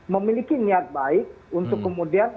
memiliki niat baik untuk kemudian